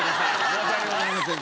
申し訳ございません。